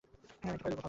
আমিও একটু ফাউল বললাম।